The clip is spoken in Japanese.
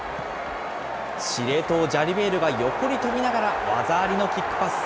司令塔、ジャリベール、横に飛びながら、技ありのキックパス。